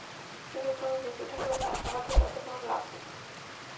কিন্তু তুমি বেঁচে থাকলে আমাদের তাতে কোনো লাভ নেই।